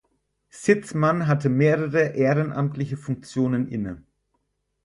Sitzmann hatte mehrere ehrenamtliche Funktionen inne.